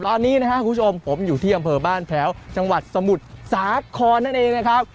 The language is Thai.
ตอนนี้นะครับคุณผู้ชมผมอยู่ที่อำเภอบ้านแพ้วจังหวัดสมุทรสาครนั่นเองนะครับ